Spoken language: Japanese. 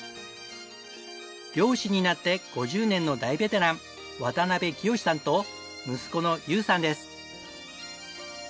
漁師になって５０年の大ベテラン渡辺清志さんと息子の優さんです。